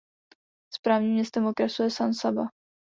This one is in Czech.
Správním městem okresu je San Saba.